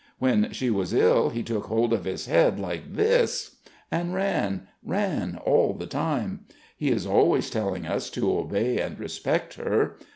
When she was ill, he took hold of his head like this ... and ran, ran, all the time. He is always telling us to obey and respect her.